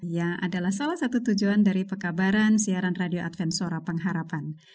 yang adalah salah satu tujuan dari pekabaran siaran radio advent suara pengharapan